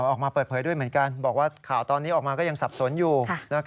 ออกมาเปิดเผยด้วยเหมือนกันบอกว่าข่าวตอนนี้ออกมาก็ยังสับสนอยู่